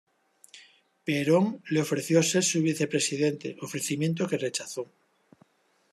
Perón le ofreció ser su vicepresidente, ofrecimiento que rechazó.